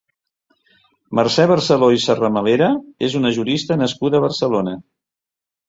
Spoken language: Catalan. Mercè Barceló i Serramalera és una jurista nascuda a Barcelona.